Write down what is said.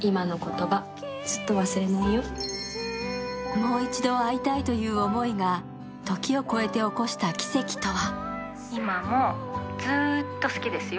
もう一度会いたいという思いが時を超えて起こした奇跡とは？